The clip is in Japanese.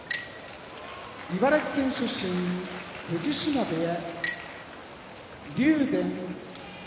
茨城県出身藤島部屋竜電